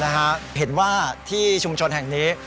เห็นว่าที่ชุมชนแห่งนี้